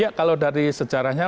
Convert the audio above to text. ya kalau dari sejarahnya